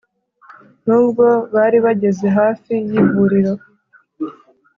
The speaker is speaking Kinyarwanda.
n’ubwo bari bageze hafi y’ivuriro